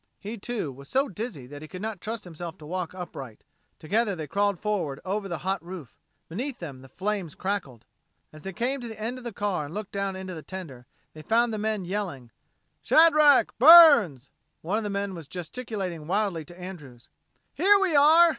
He, too, was so dizzy that he could not trust himself to walk upright. Together they crawled forward over the hot roof. Beneath them the flames crackled. As they came to the end of the car and looked down into the tender, they found the men yelling, "Shadrack! Burns!" One of the men was gesticulating wildly to Andrews. "Here we are!"